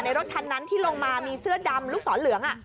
รถคันนั้นที่ลงมามีเสื้อดำลูกศรเหลือง